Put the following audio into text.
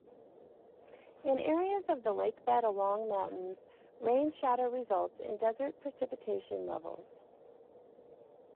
In areas of the lakebed along mountains, rain shadow results in desert precipitation levels.